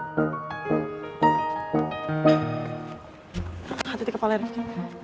hati hati kepala rek